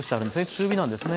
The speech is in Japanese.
中火なんですね。